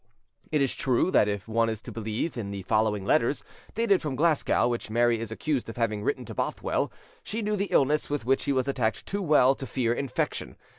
It is true that if one is to believe in the following letters, dated from Glasgow, which Mary is accused of having written to Bothwell, she knew the illness with which he was attacked too well to fear infection.